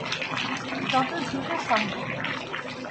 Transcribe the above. যত দ্রুত সম্ভব।